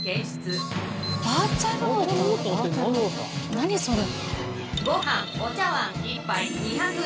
何それ？